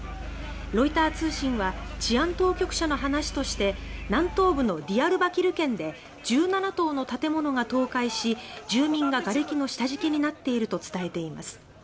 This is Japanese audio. ロイター通信は治安当局者の話として南東部のディヤルバキル県で１７棟の建物が倒壊し住民ががれきの下敷きになっていると伝えています。